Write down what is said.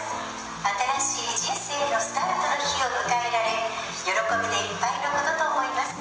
新しい人生のスタートの日を迎えられ、喜びでいっぱいのことと思います。